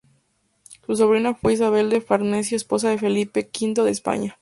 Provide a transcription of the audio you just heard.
Su sobrina fue Isabel de Farnesio, esposa de Felipe V de España.